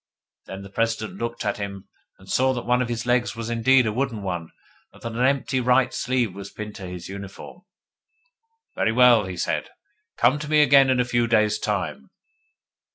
Then the President looked at him, and saw that one of his legs was indeed a wooden one, and that an empty right sleeve was pinned to his uniform. 'Very well,' he said. 'Come to me again in a few days' time.